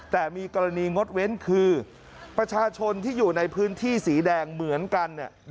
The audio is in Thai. แต่มีกรณีงดเว้นคือประชาชนที่อยู่ในพื้นที่สีแดงเหมือนกัน